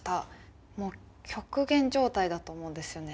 もう極限状態だと思うんですよね